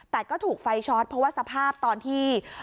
แต่ก็ถูกไฟช็อตเพราะว่าสภาพตอนที่